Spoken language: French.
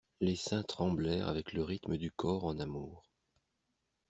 Les seins tremblèrent avec le rythme du corps en amour.